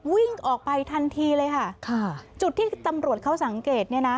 วิ่งออกไปทันทีเลยค่ะค่ะจุดที่ตำรวจเขาสังเกตเนี่ยนะ